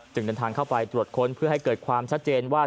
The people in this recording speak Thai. เดินทางเข้าไปตรวจค้นเพื่อให้เกิดความชัดเจนว่า